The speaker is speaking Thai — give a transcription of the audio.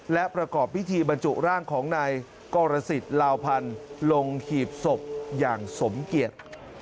และประกอบพิธีบรรจุร่างของนายกรสิทธิ์ลาวพันธ์ลงหีบศพอย่างสมเกียจ